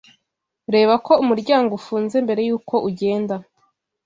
Reba ko umuryango ufunze mbere yuko ugenda.